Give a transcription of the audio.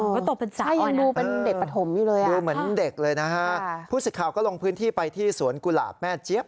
ก็โตเป็นสาวอ่ะนะค่ะดูเหมือนเด็กเลยนะฮะพูดสิทธิ์ข่าวก็ลงพื้นที่ไปที่สวนกุหลาบแม่เจี๊ยบ